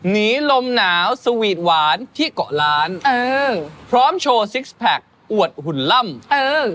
สิคแพ็ค๖๒๖น้ำลาย๖ก็คือ๒๖๖